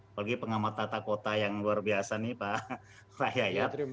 bagi pengamat tata kota yang luar biasa nih pak yayat